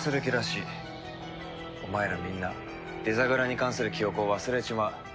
お前らみんなデザグラに関する記憶を忘れちまう。